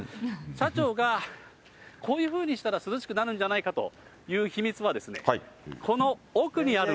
社長がこういうふうにしたら涼しくなるんじゃないかという秘密は、暑いですね。